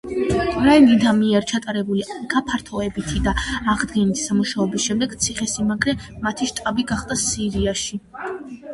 რაინდთა მიერ ჩატარებული გაფართოებითი და აღდგენითი სამუშაოების შემდეგ, ციხესიმაგრე მათი შტაბი გახდა სირიაში.